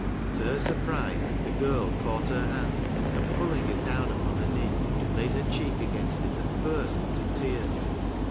To her surprise the girl caught her hand, and, pulling it down upon her knee, laid her cheek against it and burst iiitc tears.